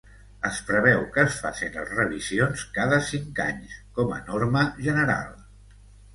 Es preveu que es facin les revisions cada cinc anys, com a norma general.